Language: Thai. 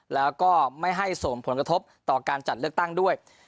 แล้วก็ไม่ให้ส่งผลกระทบต่อการจัดเลือกตั้งด้วย